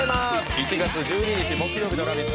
１月１２日木曜日の「ラヴィット！」